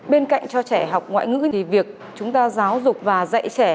bên cạnh cho trẻ học ngoại ngữ thì việc chúng ta giáo dục và dạy trẻ